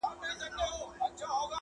د شهیدانو شمېر معلوم نه دی -